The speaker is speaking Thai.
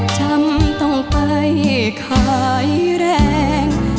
ฉันต้องไปขายแรง